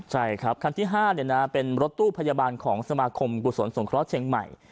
ใช่ครับคันที่๕เป็นรถตู้พยาบาลของสมาคมกุศลสงเคราะห์เชียงใหม่